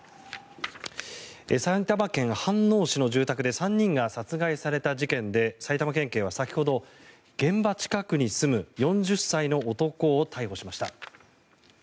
埼玉県飯能市の住宅で３人が殺害された事件で埼玉県警は先ほど現場近くに住む４０歳の男を逮捕しました。